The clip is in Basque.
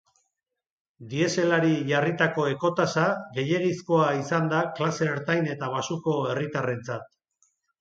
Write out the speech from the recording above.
Dieselari jarritako ekotasa gehiegizkoa izan da klase ertain eta baxuko herritarrentzat.